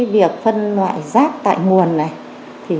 việc phân loại rác tại nguồn này